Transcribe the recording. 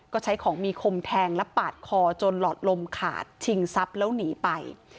ก็ใช้ของมีคมแทงและปาดคอจนหลอดลมขาดชิงทรัพย์แล้วหนีไป